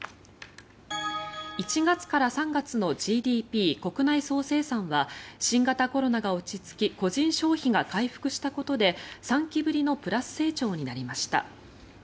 １月から３月のＧＤＰ・国内総生産は新型コロナが落ち着き個人消費が回復したことで３期ぶりのプラス成長になりました。